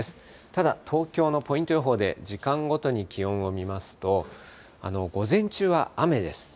ただ東京のポイント予報で時間ごとに気温を見ますと、午前中は雨です。